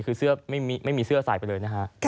คือเสื้อไม่มีเสื้อใส่ไปเลยนะฮะ